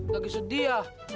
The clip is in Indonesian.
lagi sedih ya